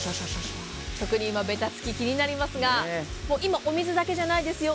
特に今、べたつき気になりますが今、お水だけじゃないですよ。